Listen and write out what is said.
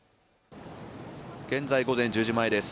現在午前１０時前です